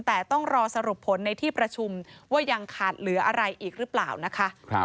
แต่ต้องรอสรุปผลในที่ประชุมว่ายังขาดเหลืออะไรอีกหรือเปล่านะคะ